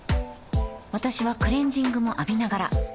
私はクレジングも浴びながら